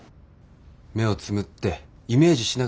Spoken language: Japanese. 目をつむってイメージしながらやってみろ。